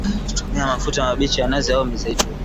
Tumia mafuta mabichi ya nazi au mizeituni